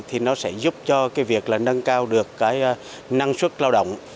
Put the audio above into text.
thì nó sẽ giúp cho cái việc là nâng cao được cái năng suất lao động